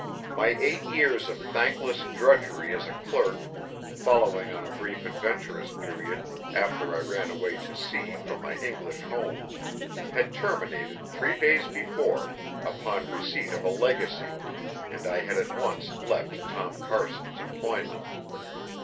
My eight years of thankless drudgery as a clerk, following on a brief adventurous period after I ran away to sea from my English home, had terminated three days before, upon receipt of a legacy, and I had at once left Tom Carson's employment.